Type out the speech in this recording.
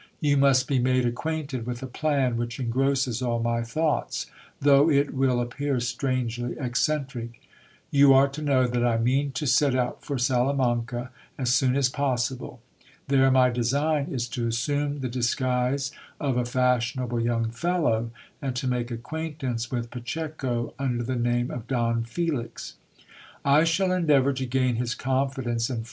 You must be made acquainted with a plan which engrosses all my thoughts, though it will appear strangely eccentric. You are to know that I mean to set ou: for Salamanca as soon as possible. There my design is to assume the dis guise of a fashionable young fellow, and to make acquaintance with Pacheco under the name of Don Felix. I shall endeavour to gain his confidence and !